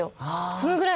そのぐらい